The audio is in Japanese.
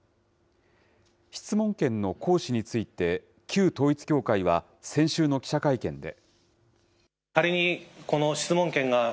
質問権の行使について、旧統一教会は先週の記者会見で。